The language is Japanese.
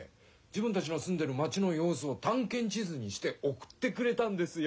自分たちのすんでる町のようすをたんけん地図にしておくってくれたんですよ。